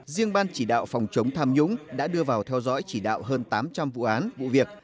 riêng ban chỉ đạo phòng chống tham nhũng đã đưa vào theo dõi chỉ đạo hơn tám trăm linh vụ án vụ việc